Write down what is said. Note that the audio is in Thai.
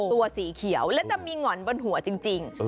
สีเขียวและจะมีหง่อนบนหัวจริง